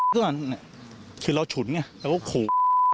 คือเราฉุนแล้วก็คู